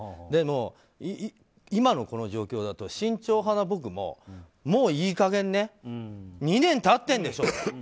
でも、今のこの状況だと慎重派な僕も、もういい加減ね２年経ってるんでしょと。